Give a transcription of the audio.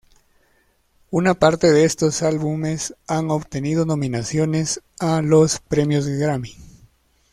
Una parte de estos álbumes han obtenido nominaciones a los Premios Grammy.